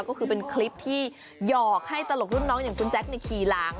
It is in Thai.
ก็คือเป็นคลิปที่หยอกให้ตลกรุ่นน้องอย่างคุณแจ๊คขี่หลัง